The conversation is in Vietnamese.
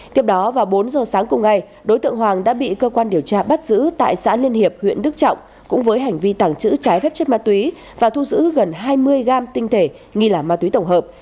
tiếp đó vào bốn giờ sáng cùng ngày đối tượng hoàng đã bị cơ quan điều tra bắt giữ tại xã liên hiệp huyện đức trọng cũng với hành vi tàng trữ trái phép chất ma túy và thu giữ gần hai mươi gam tinh thể nghi là ma túy tổng hợp